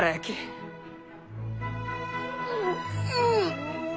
うん！